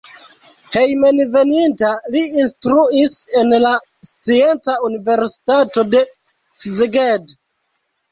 Hejmenveninta li instruis en la Scienca Universitato de Szeged.